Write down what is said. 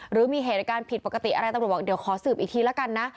หรือมีเหตุการณ์ผิดปกติอะไรตำรวจบอกเดี๋ยวขอสืบอีกทีละกันนะ